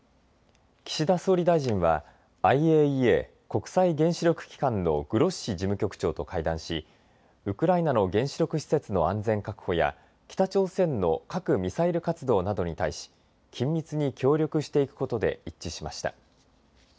岸田総理大臣はＩＡＥＡ・国際原子力機関のグロッシ事務局長と会談しウクライナの原子力施設の安全確保や北朝鮮の核・ミサイル活動などに対し緊密に協力していくことで一致しました。